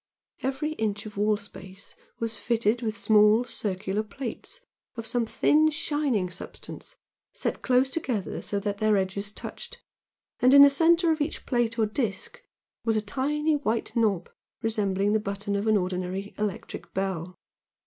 Every inch of wall space was fitted with small circular plates of some thin, shining substance, set close together so that their edges touched, and in the center of each plate or disc was a tiny white knob resembling the button of an ordinary electric bell.